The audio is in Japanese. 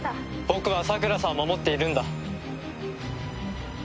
僕はさくらさんを守っているんだ。